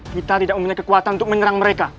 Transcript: kita tidak mempunyai kekuatan untuk menyerang mereka